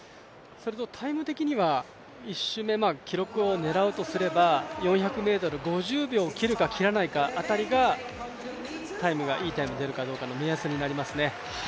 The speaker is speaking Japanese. タイム的には１周目、記録を狙うとすれば４００ｍ、５０秒を切るか切らないか辺りが、いいタイムが出るかの目安になりますね。